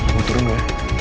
gue turun dulu ya